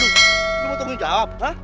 lu mau tunggu jawab